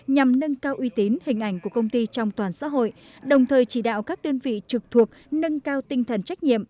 nhằm nâng cao uy tín hình ảnh của công ty trong toàn xã hội đồng thời chỉ đạo các đơn vị trực thuộc nâng cao tinh thần trách nhiệm